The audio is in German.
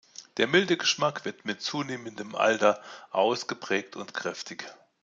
Der milde Geschmack wird mit zunehmendem Alter ausgeprägt und kräftig.